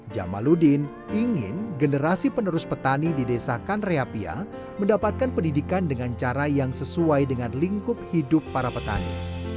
jamaludin ingin generasi penerus petani di desa kanreapia mendapatkan pendidikan dengan cara yang sesuai dengan lingkup hidup para petani